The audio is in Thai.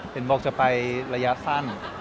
เห็นบอกจะไประยะสั้น